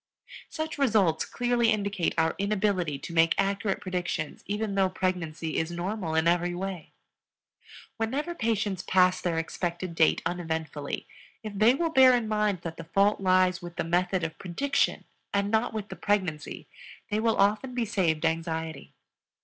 Such results clearly indicate our inability to make accurate predictions even though pregnancy is normal in every way. Whenever patients pass their expected date uneventfully, if they will bear in mind that the fault lies with the method of prediction and not with the pregnancy, they will often be saved anxiety.